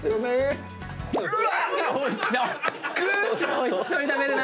おいしそうに食べるな。